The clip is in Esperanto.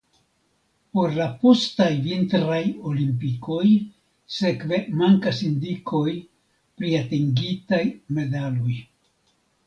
Por la postaj Vintraj Olimpikoj sekve mankas indikoj pri atingitaj medaloj.